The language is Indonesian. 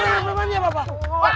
bahkan aku nggak tahu sudah ada kontak